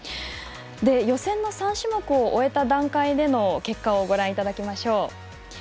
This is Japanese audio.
予選の３種目を終えた段階での結果をご覧いただきましょう。